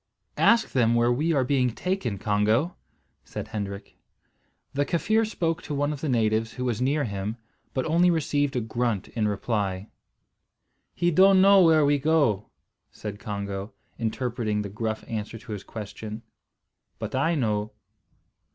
"Ask them where we are being taken, Congo," said Hendrik. The Kaffir spoke to one of the natives who was near him, but only received a grunt in reply. "He don't know where we go," said Congo, interpreting the gruff answer to his question, "but I know."